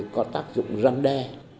có tác dụng răn đe